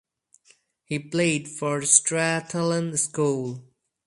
He played for Strathallan School.